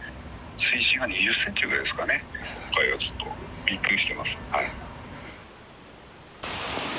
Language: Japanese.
水深が２０センチぐらいですかね、今回はちょっとびっくりしています。